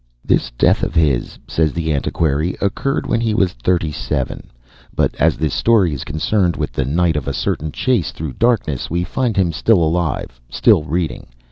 This death of his, says the antiquary, occurred when he was thirty seven, but as this story is concerned with the night of a certain chase through darkness, we find him still alive, still reading.